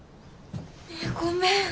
ごめん！